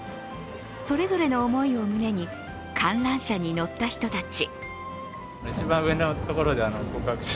それぞれの思いを胸に観覧車に乗った人たち。